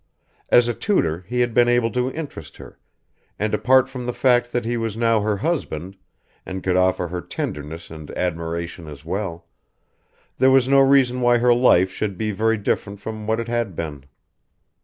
As a tutor he had been able to interest her, and apart from the fact that he was now her husband and could offer her tenderness and admiration as well, there was no reason why her life should be very different from what it had been.